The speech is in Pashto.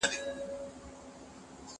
زه هره ورځ سندري اورم!!